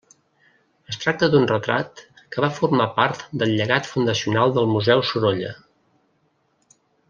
Es tracta d'un retrat que va formar part del llegat fundacional del Museu Sorolla.